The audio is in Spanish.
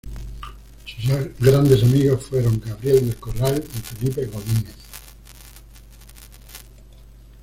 Sus grandes amigos fueron Gabriel del Corral y Felipe Godínez.